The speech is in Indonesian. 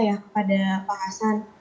ya kepada pak hasan